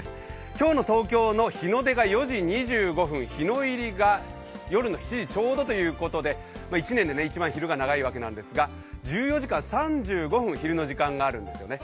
今日の東京の日の出が４時２５分、日の入りが夜の７時ちょうどということで、１年で一番昼が長いわけなんですが１４時間３５分、昼の時間があるんですよね。